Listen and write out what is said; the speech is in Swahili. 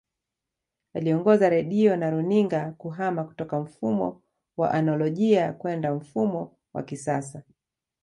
Aliongoza Redio na runinga kuhama kutoka mfumo wa anolojia kwenda mfumo wa kisasa